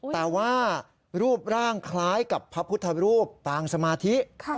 แต่ว่ารูปร่างคล้ายกับพระพุทธรูปปางสมาธิ